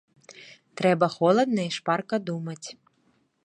Трэба холадна і шпарка думаць.